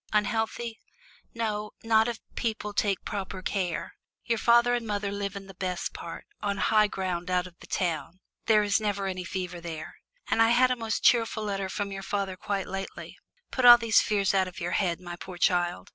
Unhealthy? No, not if people take proper care. Your father and mother live in the best part on high ground out of the town there is never any fever there. And I had a most cheerful letter from your father quite lately. Put all these fears out of your head, my poor child.